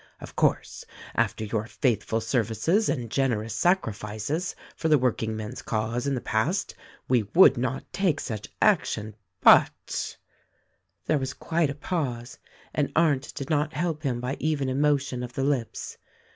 Of course, after your faithful services and gen erous sacrifices for the workingmen's cause in the past, we would not take such action ; but " There was quite a pause, and Arndt did not help him by even a motion of the lips.